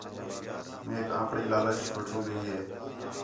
میک اپݨی لالچ وَٹھو ڳئی ہِے